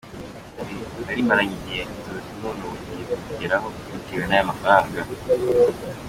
Nari maranye igihe inzozi none ubu ngiye kuzigeraho bitewe n’aya mafaranga.